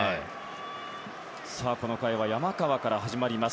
この回は山川から始まります。